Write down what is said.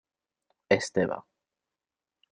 És teva.